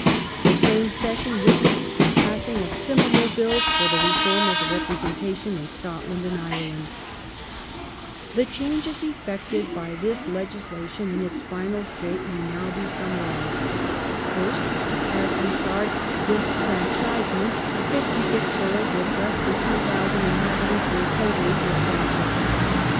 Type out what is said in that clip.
The same session witnessed the passing of similar Bills for the reform of the representation in Scotland and Ireland. The changes effected by this legislation in its final shape First, as regards disfranchisement : 56 boroughs with less than 2,000 inhabitants were totally dis franchised.